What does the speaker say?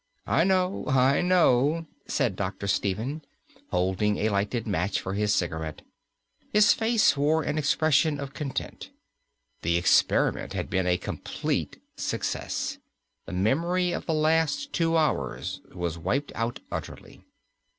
"I know, I know," said Dr. Stephen, holding a lighted match for the cigarette. His face wore an expression of content. The experiment had been a complete success. The memory of the last two hours was wiped out utterly.